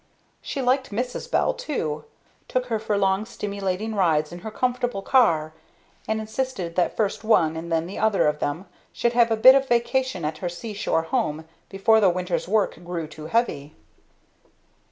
She liked Mrs. Bell, too took her for long stimulating rides in her comfortable car, and insisted that first one and then the other of them should have a bit of vacation at her seashore home before the winter's work grew too heavy.